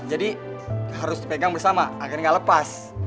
jadi harus dipegang bersama agar gak lepas